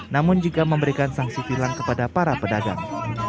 namun juga memberikan sanksi tilang kepada para pedagang